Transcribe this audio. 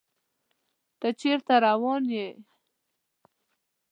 ته چیرته روان یې؟